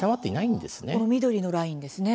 この緑のラインですね。